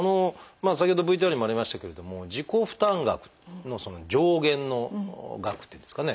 先ほどＶＴＲにもありましたけれども自己負担額の上限の額っていうんですかね。